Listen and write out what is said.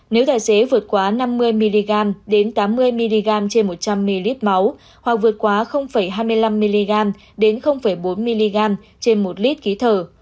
nếu tài xế vượt quá năm mươi mg đến tám mươi mg trên một trăm linh ml máu hoặc vượt quá hai mươi năm mg đến bốn mg trên một lít khí thở